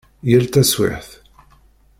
Yal taswiɛt.